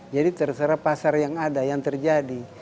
jadi terserah pasar yang ada yang terjadi